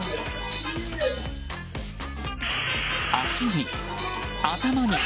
足に、頭に。